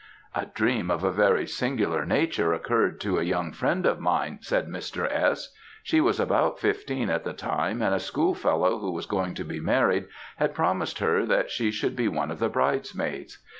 "A dream of a very singular nature occurred to a young friend of mine," said Mr. S. "She was about fifteen at the time, and a schoolfellow who was going to be married had promised her that she should be one of the bridesmaids.